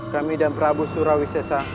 kami dan prabu surawisya